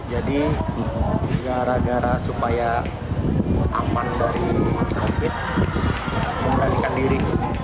jadi gara gara supaya aman dari covid memerlukan diri